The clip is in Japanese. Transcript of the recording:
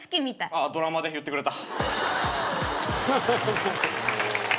あっドラマで言ってくれた。